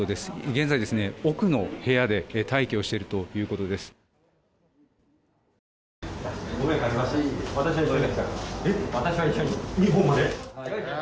現在、奥の部屋で待機をしているということです。